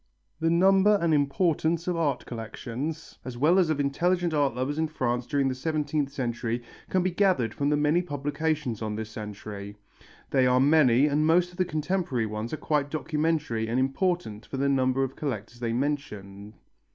The number and importance of art collections, as well as of intelligent art lovers in France during the seventeenth century, can be gathered from the many publications on this century. They are many, and most of the contemporary ones are quite documentary and important for the number of collectors they mention.